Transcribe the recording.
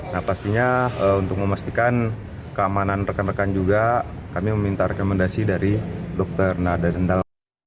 nah pastinya untuk memastikan keamanan rekan rekan juga kami meminta rekomendasi dari dokter nada kendal